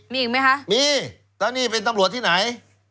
มีอีกไหมคะมีแล้วนี่เป็นตำรวจที่ไหน